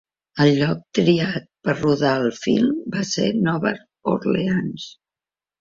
El lloc triat per rodar el film va ser Nova Orleans.